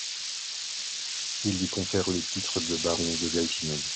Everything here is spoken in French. Il lui confère le titre de baron de Geltingen.